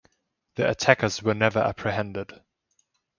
The attackers were never apprehended.